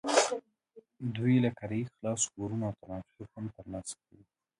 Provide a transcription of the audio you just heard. دوی له کرایې خلاص کورونه او ټرانسپورټ هم ترلاسه کوي.